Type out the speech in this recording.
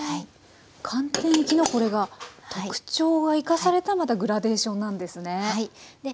寒天液のこれが特徴が生かされたグラデーションなんですね。